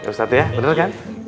ustadz ya benar kan